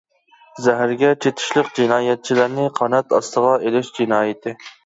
زەھەرگە چېتىشلىق جىنايەتچىلەرنى قانات ئاستىغا ئېلىش جىنايىتى.